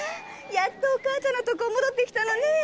やっとお母ちゃんのとこ戻ってきたのねえ！